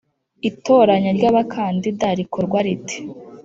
itoranya ryaba kandida rikorwa rite